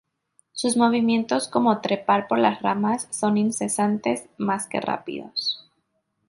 Sus movimientos, como trepar por las ramas, son incesantes más que rápidos.